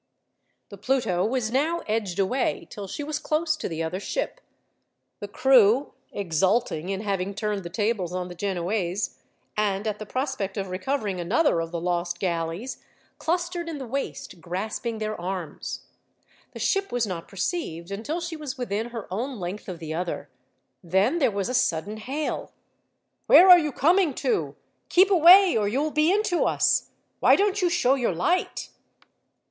The Pluto was now edged away, till she was close to the other ship. The crew, exulting in having turned the tables on the Genoese, and at the prospect of recovering another of the lost galleys, clustered in the waist, grasping their arms. The ship was not perceived until she was within her own length of the other. Then there was a sudden hail: "Where are you coming to? Keep away, or you will be into us. Why don't you show your light?"